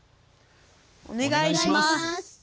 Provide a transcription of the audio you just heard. お願いします。